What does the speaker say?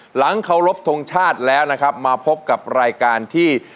หลังเคารพทงชาติแล้วนะครับมาพบกับรายการที่